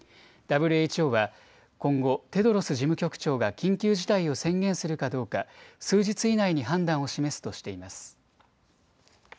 ＷＨＯは今後、テドロス事務局長が緊急事態を宣言するかどうか数日以内に判断を示すとしています。